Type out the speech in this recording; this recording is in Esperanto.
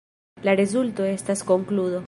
La rezulto estas konkludo.